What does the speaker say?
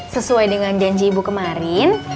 sesuai dengan janji ibu kemarin